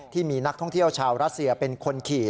ที่มีนักท่องเที่ยวชาวรัสเซียเป็นคนขี่